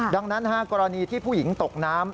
ดังนั้นกรณีที่ผู้หญิงตกน้ำ